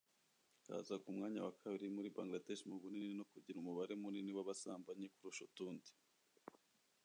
kaza ku mwanya wa kabiri muri Bangladesh mu bunini no kugira umubare munini w’abasambanyi kurusha utundi